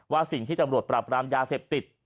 สิ่งที่ตำรวจปราบรามยาเสพติด